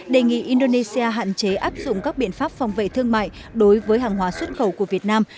đề nghị indonesia hạn chế áp dụng các biện pháp phòng vệ thương mại đối với hàng hóa xuất khẩu của việt nam